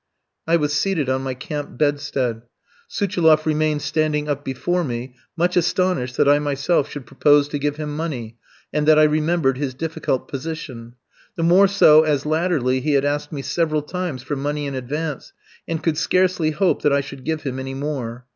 I was seated on my camp bedstead. Suchiloff remained standing up before me, much astonished that I myself should propose to give him money, and that I remembered his difficult position; the more so as latterly he had asked me several times for money in advance, and could scarcely hope that I should give him any more.